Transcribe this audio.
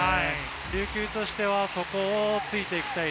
琉球としてはそこをついていきたい。